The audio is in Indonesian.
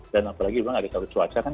dan apalagi memang ada taruh cuaca kan